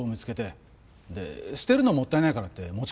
で捨てるのもったいないからって持ち帰ったんです。